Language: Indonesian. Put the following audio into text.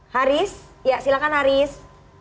haris ya silahkan haris